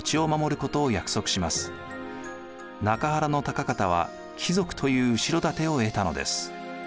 高方は貴族という後ろ盾を得たのです。